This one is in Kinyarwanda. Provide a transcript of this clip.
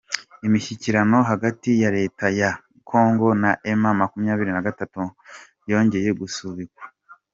Imishyikirano hagati ya Leta ya kongo na emu makumyabiri nakabiri yongeye gusubikwa